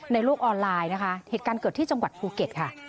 ในโลกออนไลน์นะคะเหตุการณ์เกิดที่จังหวัดภูเก็ตค่ะ